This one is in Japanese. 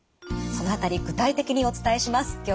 その辺り具体的にお伝えします。